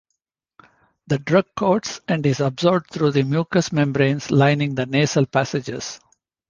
The drug coats and is absorbed through the mucous membranes lining the nasal passages.